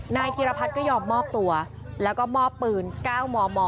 ธีรพัฒน์ก็ยอมมอบตัวแล้วก็มอบปืน๙มม